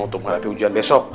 untuk menghadapi ujian besok